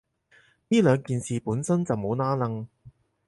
呢兩件事本身就冇拏褦